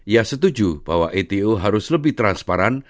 ia setuju bahwa ato harus lebih transparan